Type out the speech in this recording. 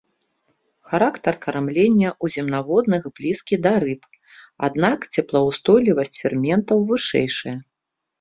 Характар кармлення ў земнаводных блізкі да рыб, аднак цеплаўстойлівасць ферментаў вышэйшая.